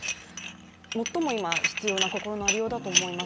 最も今必要な心のありようだと思います。